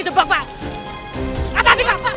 itu memang para perdana